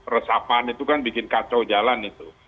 resapan itu kan bikin kacau jalan itu